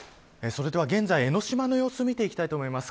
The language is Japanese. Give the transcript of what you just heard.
それでは、現在の江の島の様子を見ていきたいと思います。